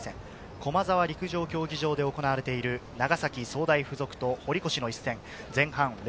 駒沢陸上競技場で行われている長崎総大附属と堀越の一戦。